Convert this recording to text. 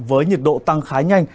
với nhiệt độ tăng khá nhanh